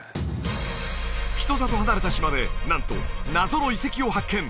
人里離れた島でなんと謎の遺跡を発見！